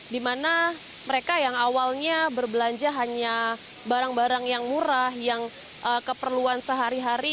dimana mereka yang awalnya berbelanja hanya barang barang yang murah yang keperluan sehari hari